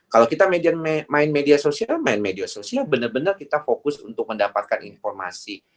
kalau kita main media sosial main media sosial benar benar kita fokus untuk mendapatkan informasi